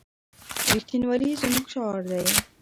رښتینولي زموږ شعار دی.